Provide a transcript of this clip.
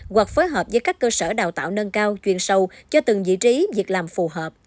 hoặc phối hợp với các cơ sở đào tạo nâng cao chuyên sâu cho từng vị trí việc làm phù hợp